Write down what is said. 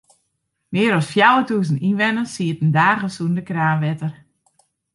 Mear as fjouwertûzen ynwenners sieten dagen sûnder kraanwetter.